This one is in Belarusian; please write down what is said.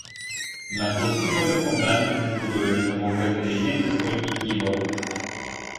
На хлусні добры фундамент не збудуеш, таму ў гэтай легендзе столькі хібаў.